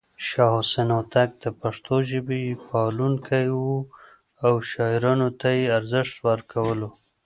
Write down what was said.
شاه حسين هوتک د پښتو ژبې پالونکی و او شاعرانو ته يې ارزښت ورکولو.